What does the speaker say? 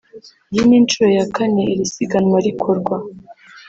Iyi ni inshuro ya kane iri siganwa rikorwa